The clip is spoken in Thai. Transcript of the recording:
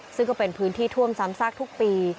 ซึ่งก็เป็นพื้นที่ท่วมซ้ำซากทุกปี